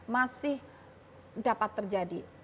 masih dapat terjadi